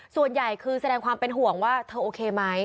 ส่วนใหญ่คือแสดงความเป็นห่วงว่าเธอโอเคไหม